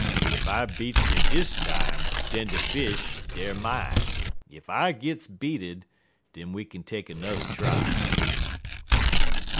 Ef I beats you dis time den de fish, deyer mine; ef I gits beated, den we kin take 'n'er trial.'